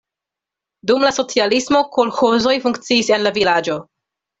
Dum la socialismo kolĥozoj funkciis en la vilaĝo.